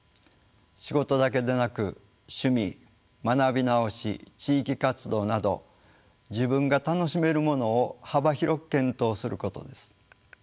仕事だけでなく趣味学び直し地域活動など自分が楽しめるものを幅広く検討することです。